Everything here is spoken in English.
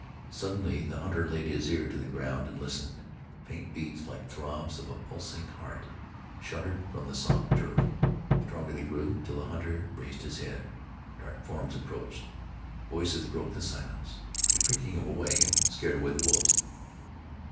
Suddenly the hunter laid his ear to the ground, and listened. Faint beats, like throbs of a pulsing heart, shuddered from the soft turf. Stronger they grew, till the hunter raised his head. Dark forms approached; voices broke the silence; the creaking of a wagon scared away the wolves.